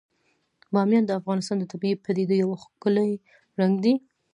بامیان د افغانستان د طبیعي پدیدو یو بل ښکلی رنګ دی.